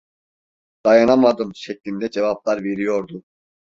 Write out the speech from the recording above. "Dayanamadım!" şeklinde cevaplar veriyordu.